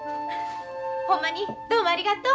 ほんまにどうもありがとう。